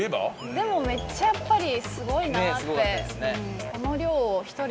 でもめっちゃやっぱりすごいなって。